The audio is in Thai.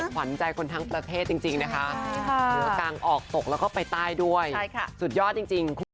ขวัญใจคนทั้งประเทศจริงนะคะเหนือกลางออกตกแล้วก็ไปใต้ด้วยสุดยอดจริงคุณผู้ชม